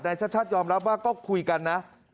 ชาติยอมรับว่าก็คุยกันนะ